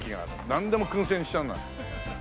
なんでも燻製にしちゃうんだ。